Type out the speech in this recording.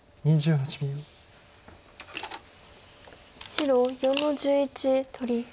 白４の十一取り。